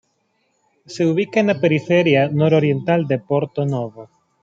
Se ubica en la periferia nororiental de Porto Novo.